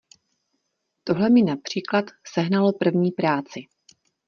Tohle mi například sehnalo první práci.